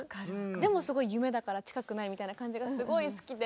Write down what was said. でもすごい夢だから近くないみたいな感じがすごい好きで。